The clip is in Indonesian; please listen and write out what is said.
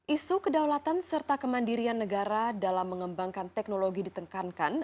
isu kedaulatan serta kemandirian negara dalam mengembangkan teknologi ditekankan